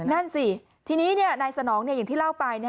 นั่นสิทีนี้นายสนองอย่างที่เล่าไป